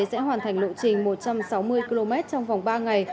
sẽ hoàn thành lộ trình một trăm sáu mươi km trong vòng ba ngày